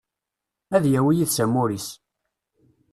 Ad yawi yid-s amur-is.